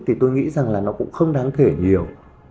thì tôi nghĩ rằng là nó cũng không đáng kể nhiều